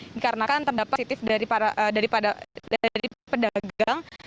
dikarenakan terdapat positif dari pedagang